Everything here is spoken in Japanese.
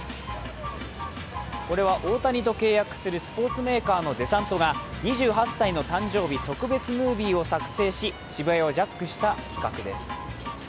これは大谷と契約するデサントが２８歳の誕生日特別ムービーを作成し、渋谷をジャックした企画です。